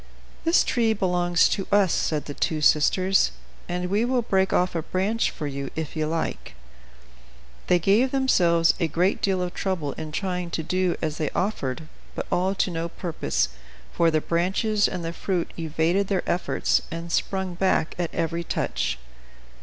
"This tree belongs to us," said the two sisters, "and we will break off a branch for you if you like." They gave themselves a great deal of trouble in trying to do as they offered; but all to no purpose, for the branches and the fruit evaded their efforts, and sprung back at every touch.